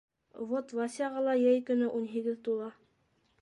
— Вот Васяға ла йәй көнө ун һигеҙ тула.